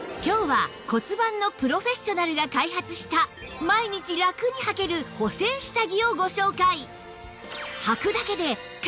今日は骨盤のプロフェッショナルが開発した毎日ラクにはける補整下着をご紹介！